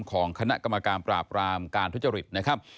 ของคณะกรรมการปราบรามการทุจริตนะครับ